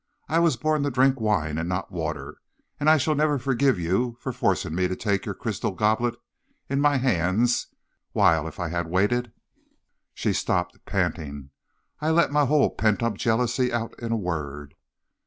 I was born to drink wine and not water, and I shall never forgive you for forcing me to take your crystal goblet in my hands, while, if I had waited ' "She stopped, panting. I let my whole pent up jealousy out in a word.